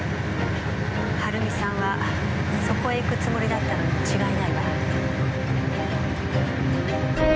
はるみさんはそこへ行くつもりだったのに違いないわ。